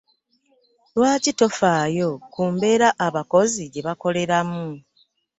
Lwaki tofaayo ku mbeera abakozi gye bakoleramu?